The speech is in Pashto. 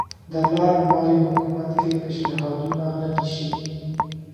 د لارډ مایو حکومت کې پېشنهادونه نه دي شوي.